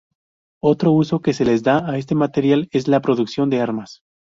Otro uso que se les da a este material es la producción de armas.